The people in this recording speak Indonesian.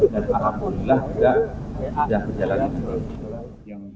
dan alhamdulillah sudah berjalan dengan baik